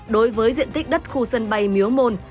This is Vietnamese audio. đối với diện tích đất khu sân bay miếu môn